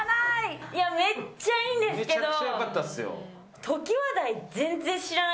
めっちゃいいんですけど。